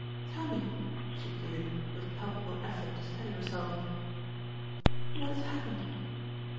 ... Tell me," she pleaded, with palpable effort to steady herself; "what has happened?"